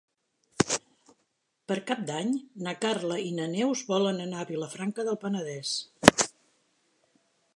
Per Cap d'Any na Carla i na Neus volen anar a Vilafranca del Penedès.